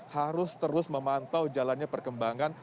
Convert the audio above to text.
harus terus memantau jalannya perkembangan